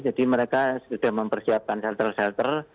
jadi mereka sudah mempersiapkan shelter shelter